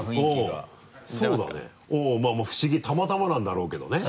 まぁまぁ不思議たまたまなんだろうけどね。